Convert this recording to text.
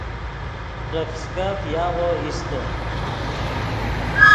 ترے فسکف یاغو ایستے